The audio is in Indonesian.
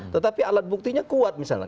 tetapi alat buktinya kuat misalnya